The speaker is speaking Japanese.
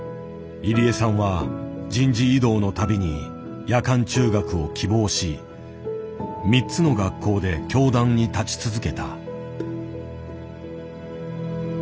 入江さんは人事異動のたびに夜間中学を希望し３つの学校で教壇に立ち続けた。